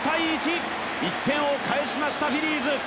１点を返しました、フィリーズ。